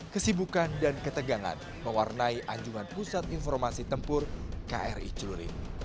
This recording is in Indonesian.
kesibukan dan ketegangan mewarnai anjungan pusat informasi tempur kri celuri